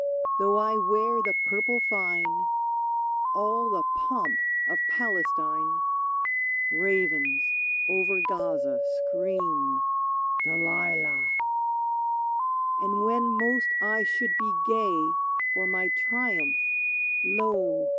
Though I wear the purple fine — All the pomp of Palestine — Ravens over Gaza scream : "Delilah!" And when most I should be gay For my triumph, — lo